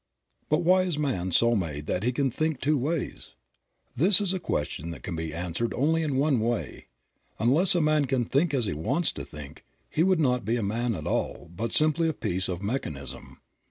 But why is man so made that he can think two ways ? This is a question that can be answered only in one way. Unless a man can think as he wants to think he would not be a man at all but simply a piece of mechanism.